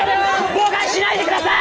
妨害しないでください！